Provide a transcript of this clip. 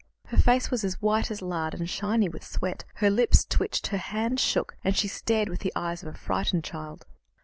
Her face was as white as lard, and shiny with sweat; her lips twitched, her hands shook, and she stared with the eyes of a frightened child.